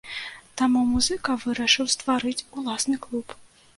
Таму музыка вырашыў стварыць уласны клуб.